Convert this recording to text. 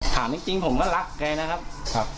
ถามจริงผมก็รักแกนะครับ